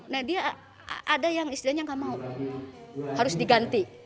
nah dia ada yang istilahnya nggak mau harus diganti